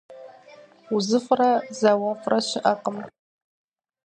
УзыфӀрэ зауэфӀрэ щыӀэкъым.